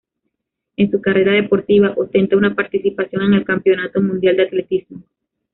En su carrera deportiva ostenta una participación en el Campeonato Mundial de Atletismo.